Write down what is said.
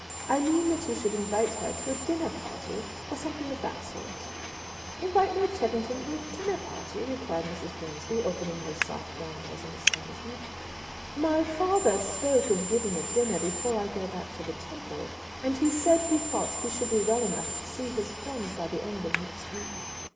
I meant that you should invite her to a dinner party, or something of that sort." "Invite May Cheffington to a dinner party!" repeated Mrs. Bransby, opening her soft, brown eyes in astonishment. "My father spoke of giving a dinner before I go back to the Temple, and he said he thought he should be well enough to see his friends by the end of next week."